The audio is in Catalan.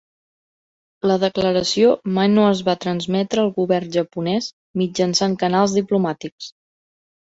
La declaració mai no es va transmetre al govern japonès mitjançant canals diplomàtics.